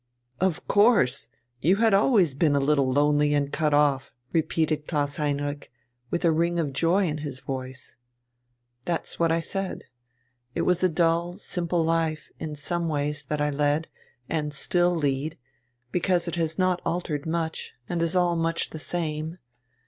"Of course, you had always been a little lonely and cut off!" repeated Klaus Heinrich, with a ring of joy in his voice. "That's what I said. It was a dull, simple life in some ways that I led, and still lead, because it has not altered much, and is all much the same.